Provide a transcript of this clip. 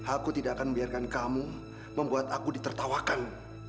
aku tidak akan membiarkan kamu membuat aku ditertawakan